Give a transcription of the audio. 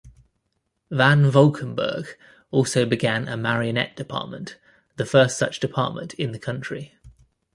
Van Volkenburg also began a marionette department, the first such department in the country.